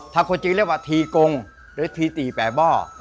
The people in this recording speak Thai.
ถ้าคนจีนเรียกว่าทีกงหรือทีตีแปรบ้อ